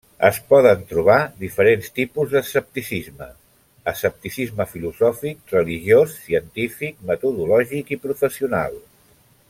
Es poden trobar diferents tipus d'escepticisme; escepticisme filosòfic, religiós, científic, metodològic i professional.